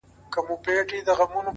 د ميني شر نه دى چي څـوك يـې پــټ كړي.